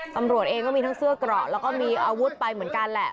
ตำรวจเองก็มีทั้งเสื้อเกราะแล้วก็มีอาวุธไปเหมือนกันแหละ